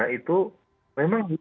karena itu memang